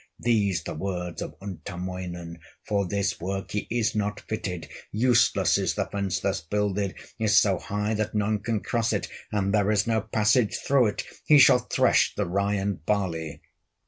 These the words of Untamoinen: "For this work he is not fitted, Useless is the fence thus builded; Is so high that none can cross it, And there is no passage through it: He shall thresh the rye and barley."